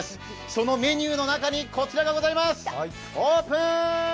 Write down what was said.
そのメニューの中にこちらがございます、オープン！